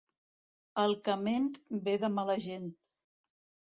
El que ment ve de mala gent.